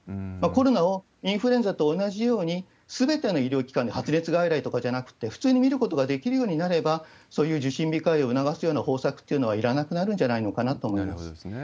コロナをインフルエンザと同じようにすべての医療機関で、発熱外来とかじゃなくて、普通に診ることができるようになれば、そういう受診控えを促すような方策っていうのはいらなくなるんじなるほどですね。